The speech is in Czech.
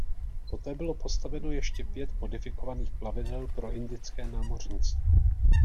Poté bylo postaveno ještě pět modifikovaných plavidel pro indické námořnictvo.